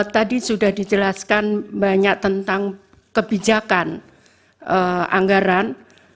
tadi sudah dijelaskan banyak tentang kebijakan anggaran